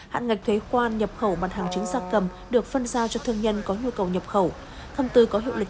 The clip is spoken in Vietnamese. hạn ngạch thuê quan nhập khẩu mặt hàng chứng gia cầm được phân giao cho thương nhân có nhu cầu nhập khẩu